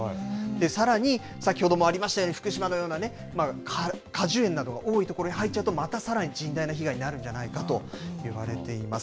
さらに、先ほどもありましたように、福島のようなね、果樹園などが多い所に入っちゃうと、またさらに甚大な被害になるんじゃないかといわれています。